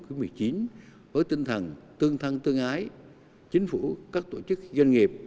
của một mươi chín với tinh thần tương thân tương ái chính phủ các tổ chức doanh nghiệp